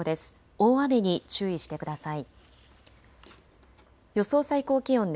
大雨に注意してください。